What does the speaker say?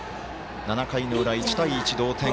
７回の裏、１対１同点。